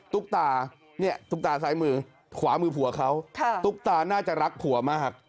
ตุ๊กตาเนี่ยตุ๊กตาซ้ายมือขวามือผัวเขาตุ๊กตาน่าจะรักผัวมาก